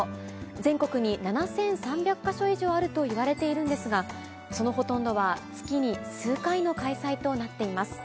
全国に７３００か所以上あるといわれているんですが、そのほとんどは月に数回の開催となっています。